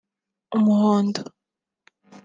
umuhondo